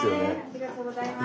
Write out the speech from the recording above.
ありがとうございます。